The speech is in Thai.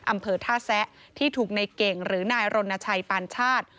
อำเภอท่าแซะที่ถูกในเก่งหรือนายรณชัยปานชาติ